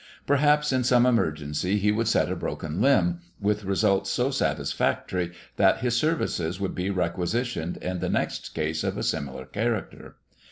Perhaps in some emergency he would set a broken limb, with results so satisfactory that his services would be requisitioned in the next case of a similar character.